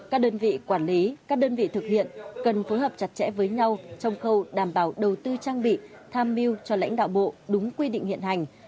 các đơn vị quản lý các đơn vị thực hiện cần phối hợp chặt chẽ với nhau trong khâu đảm bảo đầu tư trang bị tham mưu cho lãnh đạo bộ đúng quy định hiện hành